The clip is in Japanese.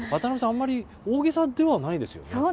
あまり大げさではないですよね。